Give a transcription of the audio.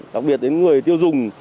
đặc biệt đến người tiêu dùng